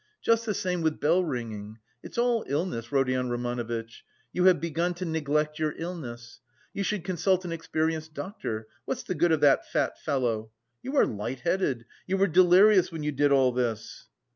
Just the same with bell ringing.... It's all illness, Rodion Romanovitch! You have begun to neglect your illness. You should consult an experienced doctor, what's the good of that fat fellow? You are lightheaded! You were delirious when you did all this!"